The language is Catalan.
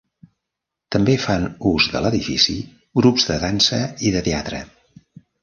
També fan ús de l'edifici grups de dansa i de teatre.